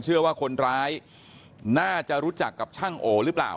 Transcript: เชื่อว่าคนร้ายน่าจะรู้จักกับช่างโอหรือเปล่า